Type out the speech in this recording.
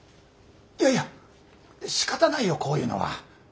いやいやしかたないよこういうのは。